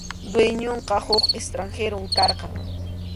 Dueñonqa huk extranjerom karqan.